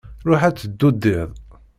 Ṛuḥ ad teddudiḍ!